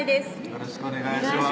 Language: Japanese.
よろしくお願いします